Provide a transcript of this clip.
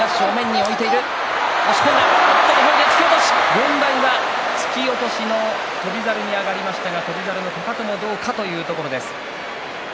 軍配は突き落としの翔猿に上がりましたが翔猿のかかともどうかというところです。